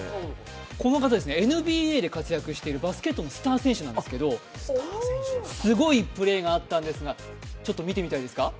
この方ですねＮＢＡで活躍しているバスケットのスター選手ですがすごいプレーがあったんですが、ちょっと見てみたいですか？